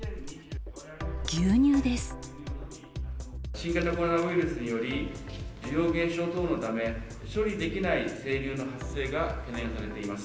新型コロナウイルスにより、需要減少等のため、処理できない生乳の発生が懸念されています。